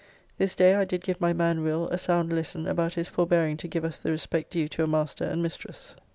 This day I did give my man Will a sound lesson about his forbearing to give us the respect due to a master and mistress.